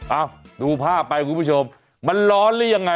ดูภาพไปคุณผู้ชมมันร้อนหรือยังไง